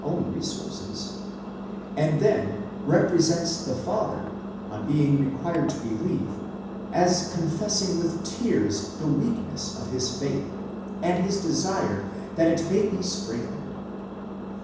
own re sources, and then represents the father, on being required to believe, as con fessing with tears the weakness of his faith, and his desire that it may be strengthened.